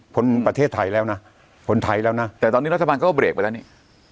คนประเทศไทยแล้วนะคนไทยแล้วนะแต่ตอนนี้รัฐบาลก็เบรกไปแล้วนี่